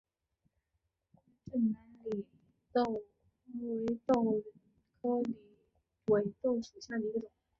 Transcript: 滇南狸尾豆为豆科狸尾豆属下的一个种。